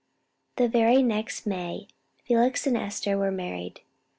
The very next May, Felix and Esther were married.